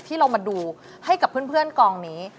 ที่เรามาดูให้กับเพื่อนกองนี้